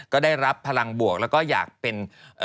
ก็ได้รับพลังบวกแล้วก็อยากเป็น